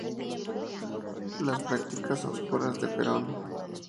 Las Prácticas Oscuras de Perón".